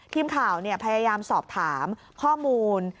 ทีมข่าวพยายามสอบถามข้อมูล